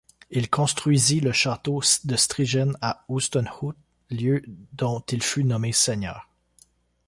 Il construisit le château de Strijen à Oosterhout, lieu dont il fut nommé Seigneur.